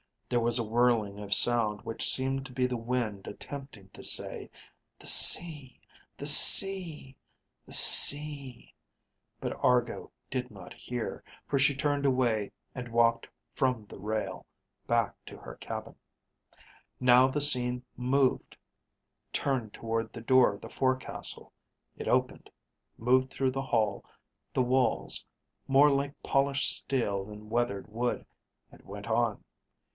"_ There was a whirling of sound which seemed to be the wind attempting to say, "The sea ... the sea ... the sea ..." But Argo did not hear, for she turned away and walked from the rail, back to her cabin. _Now the scene moved, turned toward the door of the forecastle. It opened, moved through the hall, the walls, more like polished steel than weathered wood, and went on.